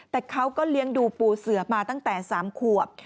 แต่เขาก็เลี้ยงดูปูเสือมาตั้งแต่๓ขวบ